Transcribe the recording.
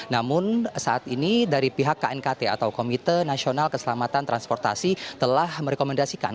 namun saat ini dari pihak knkt atau komite nasional keselamatan transportasi telah merekomendasikan